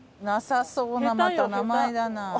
なさそうなまた名前だな。